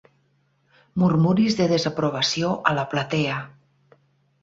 Murmuris de desaprovació a la platea.